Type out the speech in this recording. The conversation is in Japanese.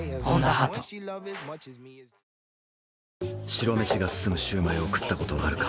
白飯が進むシュウマイを食ったことはあるか？